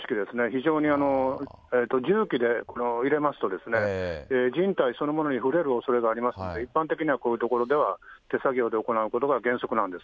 非常に重機で入れますと、人体そのものに触れるおそれがありますので、一般的にはこういう所では、手作業で行うことが原則なんです。